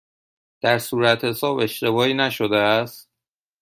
در صورتحساب اشتباهی نشده است؟